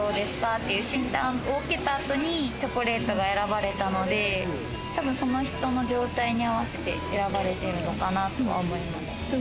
っていう診断を受けた後にチョコレートが選ばれたので、その人の状態に合わせて選ばれてるのかなとは思います。